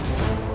dan satu lagi